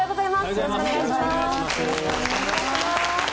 よろしくお願いします。